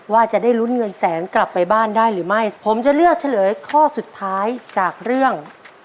ว่าจะได้ลุ้นเงินแสนกลับไปบ้านได้หรือไม่ผมจะเลือกเฉลยข้อสุดท้ายจากเรื่อง